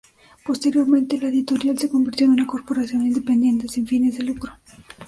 Posteriormente, la editorial se convirtió en una corporación independiente sin fines de lucro.